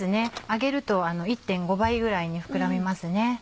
揚げると１．５倍ぐらいに膨らみますね。